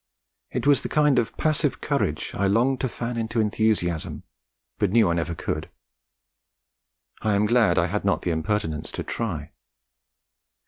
It was the kind of passive courage I longed to fan into enthusiasm, but knew I never could. I am glad I had not the impertinence to try.